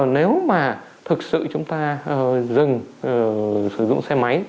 nếu mà thực sự chúng ta dừng sử dụng xe máy